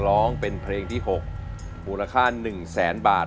ร้องเป็นเพลงที่๖มูลค่า๑แสนบาท